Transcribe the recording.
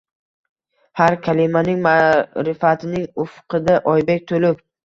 Har kalimang ma’rifatning ufqida oydek to’lib